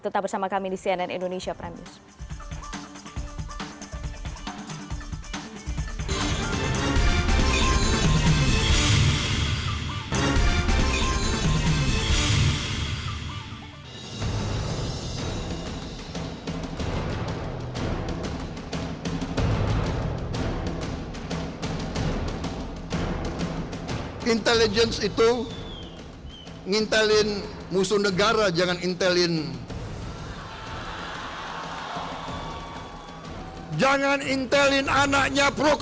tetap bersama kami di cnn indonesia prime news